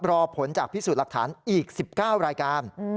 รอผลจากพิสูจน์หลักฐานอีก๑๙รายการ